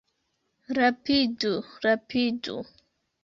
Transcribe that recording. Rapidu, rapidu!